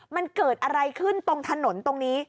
มันเกิดอะไรขึ้นตรงถนนตรงนี้